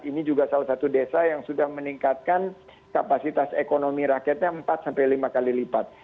ini juga salah satu desa yang sudah meningkatkan kapasitas ekonomi rakyatnya empat sampai lima kali lipat